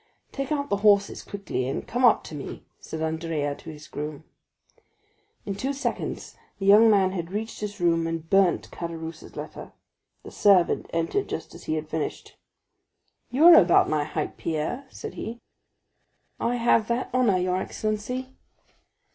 "Take out the horses quickly, and come up to me," said Andrea to his groom. In two seconds the young man had reached his room and burnt Caderousse's letter. The servant entered just as he had finished. "You are about my height, Pierre," said he. "I have that honor, your excellency."